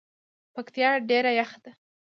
پکتیا ډیره یخه ده